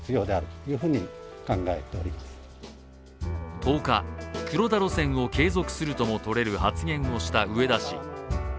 １０日、黒田路線を継続するともとれる発言をした植田氏。